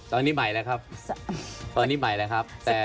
ตอนนี้ใหม่แล้วครับตอนนี้ใหม่แล้วครับ